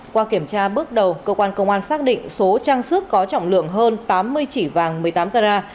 qua kiểm tra bước đầu cơ quan công an xác định số trang sức có trọng lượng hơn tám mươi chỉ vàng một mươi tám carat